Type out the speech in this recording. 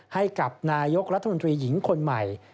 ให้กับนายกรัฐมนตรีหญิงคนใหม่